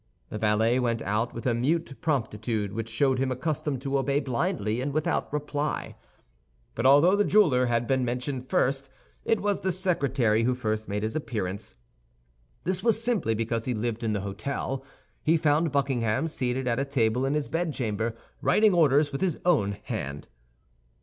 The valet went out with a mute promptitude which showed him accustomed to obey blindly and without reply. But although the jeweler had been mentioned first, it was the secretary who first made his appearance. This was simply because he lived in the hôtel. He found Buckingham seated at a table in his bedchamber, writing orders with his own hand.